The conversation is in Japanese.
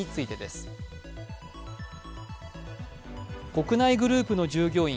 国内グループの従業員